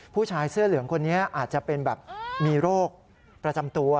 ผู้ชายเสื้อเหลืองคนนี้อาจจะเป็นแบบมีโรคประจำตัว